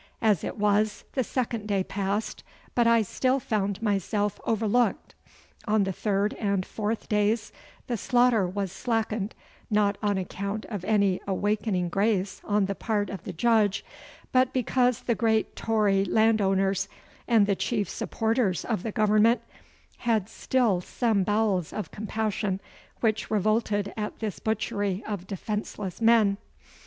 As it was, the second day passed, but I still found myself overlooked. On the third and fourth days the slaughter was slackened, not on account of any awakening grace on the part of the Judge, but because the great Tory landowners, and the chief supporters of the Government, had still some bowels of compassion, which revolted at this butchery of defenceless men.